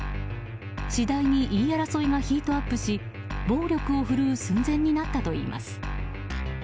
次第に言い争いがヒートアップし暴力を振るう寸前になったといいます。